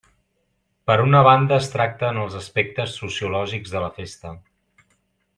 Per una banda es tracten els aspectes sociològics de la festa.